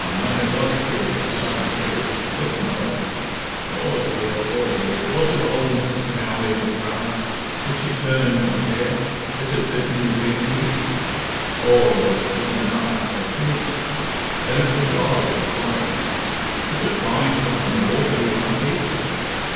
"Unknown it was, Kirry, and sudden, too. Listen, though " "Aw dear, aw dear! Was it old Mrs. Cowley of the Curragh? Did she turn into a hare? Is it bitten you've been, Pete?" "Aw, yes, bitten enough. But, Kate " "Then it was a dog, it's like. Is it flying from the water you are, Pete?"